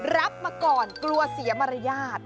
รับมาก่อนกลัวเสียมารยาท